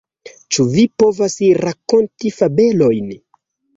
Ĉu vi povas rakonti fabelojn?